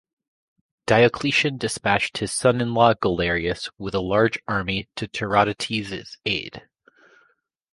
Diocletian dispatched his son-in-law Galerius with a large army to Tiridates's aid.